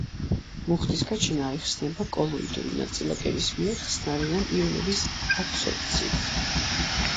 მუხტის გაჩენა აიხსნება კოლოიდური ნაწილაკების მიერ ხსნარიდან იონების ადსორბციით.